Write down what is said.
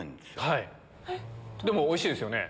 でもおいしいですよね？